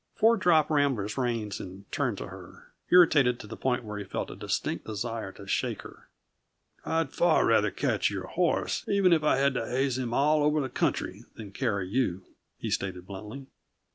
Ford dropped Rambler's reins and turned to her, irritated to the point where he felt a distinct desire to shake her. "I'd far rather catch your horse, even if I had to haze him all over the country, than carry you," he stated bluntly.